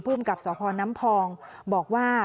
กับสพน้ำพองบอกว่า